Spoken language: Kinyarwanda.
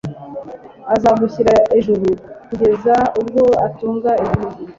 azagushyira ejuru kugeza ubwo utunga igihugu